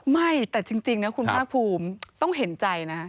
ไม่แต่จริงนะคุณภาคภูมิต้องเห็นใจนะ